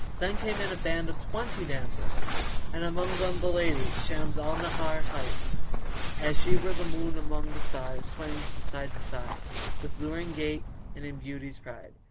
Then in came a band of twenty damsels and amongst them the lady, Shams al Nahar hight, as she were the moon among the stars swaying from side to side, with luring gait and in beauty's pride.